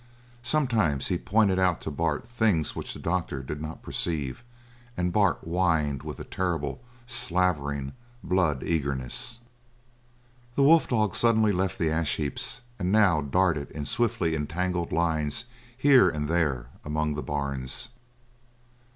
Sometimes he pointed out to Bart things which the doctor did not perceive and Bart whined with a terrible, slavering, blood eagerness. The wolf dog suddenly left the ash heaps and now darted in swiftly entangled lines here and there among the barns.